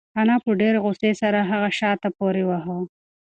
انا په ډېرې غوسې سره هغه شاته پورې واهه.